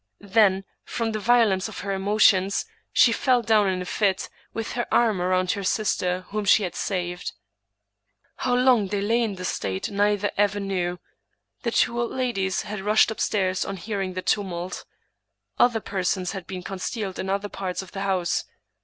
Then, from the violence of her emotions, she fell down in a fit, with her arm around the sister whom she had saved. How long they lay in this state neither ever knew. The two old ladies bad rushed upstairs on hearing the tumult Other persons had been concealed in other parts of the house.